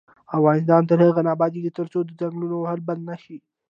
افغانستان تر هغو نه ابادیږي، ترڅو د ځنګلونو وهل بند نشي.